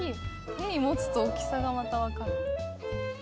手に持つと大きさがまた分かる。